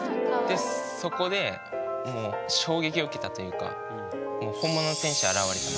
でそこでもう衝撃を受けたというか本物の天使。